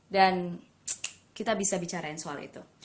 dan kita bisa bicara soal itu